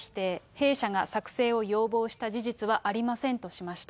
弊社が作成を要望した事実はありませんとしました。